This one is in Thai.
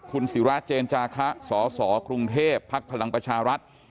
คุณศิราเจนจาคะสสกรุงเทพภักดิ์พลังประชารัฐ